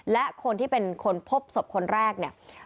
และคนที่เป็นคนพบศพคนแรกเนี่ย